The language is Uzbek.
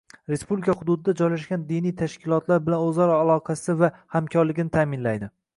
respublika hududida joylashgan diniy tashkilotlar bilan o’zaro aloqasi va hamkorligini ta’minlaydi